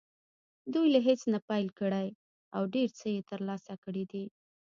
دوی له هېڅ نه پیل کړی او ډېر څه یې ترلاسه کړي دي